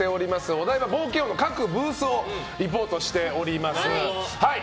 お台場冒険王の各ブースをリポートしております。